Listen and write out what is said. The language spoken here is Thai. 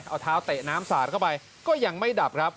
เอาเท้าเตะน้ำสาดเข้าไปก็ยังไม่ดับครับ